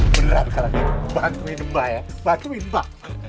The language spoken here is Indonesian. beneran kali ini bantuin mbak ya bantuin mbak